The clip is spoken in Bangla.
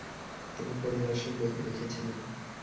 তিনি পরিদর্শক বইতে লিখেছিলেন